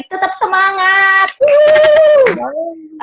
kita harus semangat ya